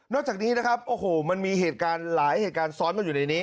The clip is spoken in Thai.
จากนี้นะครับโอ้โหมันมีเหตุการณ์หลายเหตุการณ์ซ้อนมาอยู่ในนี้